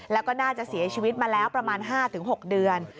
แล้วก็น่าจะเสียชีวิตมาแล้วประมาณ๕๖เดือน